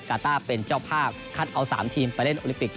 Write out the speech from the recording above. กาต้าเป็นเจ้าภาพคัดเอา๓ทีมไปเล่นโอลิปิก